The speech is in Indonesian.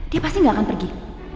dia pasti gak akan pergi